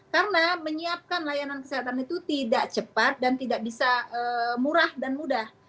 karena menyiapkan layanan kesehatan itu tidak cepat dan tidak bisa murah dan mudah